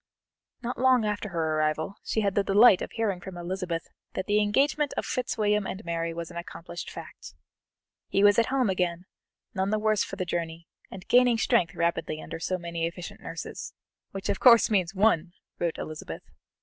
Not long after her arrival she had the delight of hearing from Elizabeth that the engagement of Fitzwilliam and Mary was an accomplished fact. He was at home again, none the worse for the journey, and gaining strength rapidly under so many efficient nurses, "which of course means one!" wrote Elizabeth.